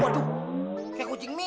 waduh kayak kucing mian